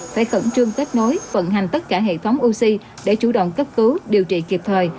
phải khẩn trương kết nối vận hành tất cả hệ thống oxy để chủ động cấp cứu điều trị kịp thời